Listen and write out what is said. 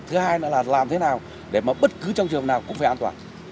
thứ hai là làm thế nào để mà bất cứ trong trường nào cũng phải an toàn